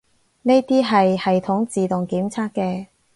呢啲係系統自動檢測嘅